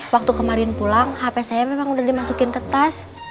waktu kemarin pulang hp saya memang udah dimasukin ke tas